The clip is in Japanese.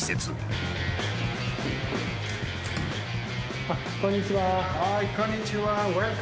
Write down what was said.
ハイこんにちは。